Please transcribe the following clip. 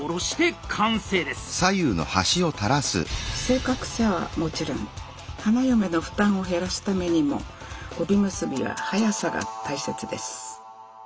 正確さはもちろん花嫁の負担を減らすためにも帯結びは「はやさ」が大切です！